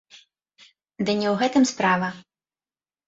Ды не ў гэтым справа.